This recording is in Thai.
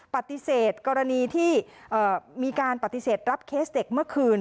ปฏิเสธกรณีที่มีการปฏิเสธรับเคสเด็กเมื่อคืน